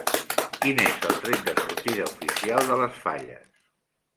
Quin és el tret de sortida oficial de les falles?